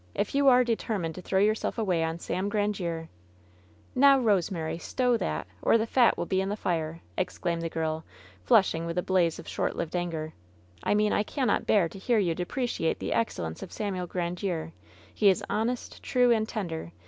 If you are deter mined to throw yourself away on Sam Grandiere ^^ "Now, Eosemary, stow that, or the fat will be in the fire !" exclaimed the girl, flushing with a blaze of short lived anger. "I mean I cannot bear to hear you deprei ciate the excellence of Samuel Grandiere. He is honest, true, and tender.